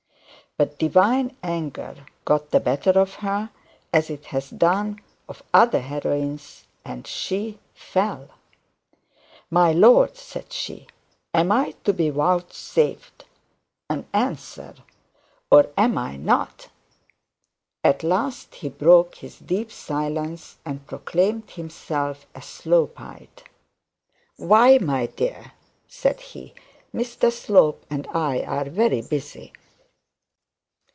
But divine anger got the better of her, as it has done of other heroines, and she fell. 'My lord,' said she, 'am I to be vouchsafed an answer or am I not?' At last he broke his deep silence and proclaimed himself a Slopeite. 'Why, my dear,' said he, 'Mr Slope and I are very busy.'